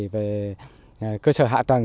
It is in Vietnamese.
về cơ sở hạ tầng